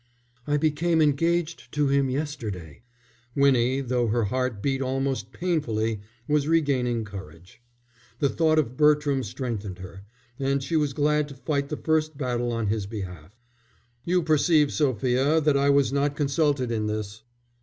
"I became engaged to him yesterday." Winnie, though her heart beat almost painfully, was regaining courage. The thought of Bertram strengthened her, and she was glad to fight the first battle on his behalf. "You perceive, Sophia, that I was not consulted in this."